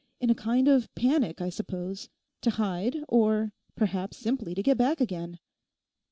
In a kind of panic, I suppose, to hide, or perhaps simply to get back again.